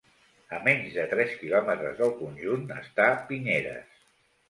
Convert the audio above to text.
A menys de tres kilòmetres del conjunt està Pinyeres.